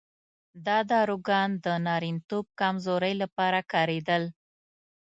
دا داروګان د نارینتوب کمزورۍ لپاره کارېدل.